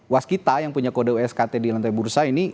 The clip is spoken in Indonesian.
waskita yang punya kode waskt di lantai bursa ini